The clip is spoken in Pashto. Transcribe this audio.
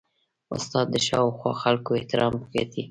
استاد د شاوخوا خلکو احترام ګټي.